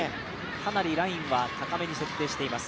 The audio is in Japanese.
かなりラインは高めに設定しています。